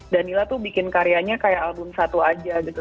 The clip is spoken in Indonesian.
danila tuh bikin karyanya kayak album satu aja gitu